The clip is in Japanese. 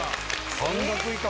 半額以下。